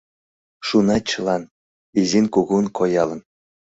Шунат чылан, изин-кугун коялын.